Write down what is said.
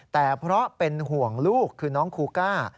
แต่เพราะเป็นห่วงลูกคือน้องคูก้า